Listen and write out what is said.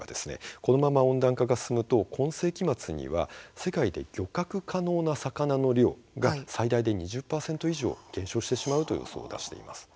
このまま温暖化が進むと今世紀末には世界で漁獲可能な魚の量が最大で２０％以上減少してしまうという予想を出しています。